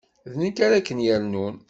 D nekk ara ken-yernun.